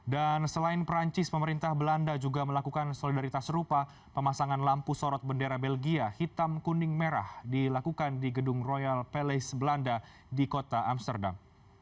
dan selain perancis pemerintah belanda juga melakukan solidaritas serupa pemasangan lampu sorot bendera belgia hitam kuning merah dilakukan di gedung royal palace belanda di kota amsterdam